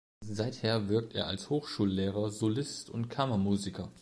Seither wirkt er als Hochschullehrer, Solist und Kammermusiker.